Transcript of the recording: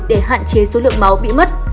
để hạn chế số lượng máu bị mất